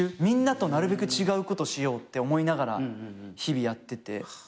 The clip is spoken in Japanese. みんなとなるべく違うことしようって思いながら日々やってて。